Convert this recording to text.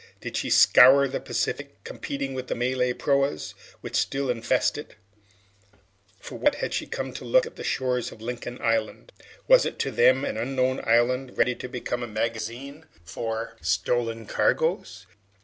Did she scour the Pacific, competing with the Malay proas which still infest it? For what had she come to look at the shores of Lincoln Island? Was it to them an unknown island, ready to become a magazine for stolen cargoes?